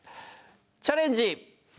「チャレンジ！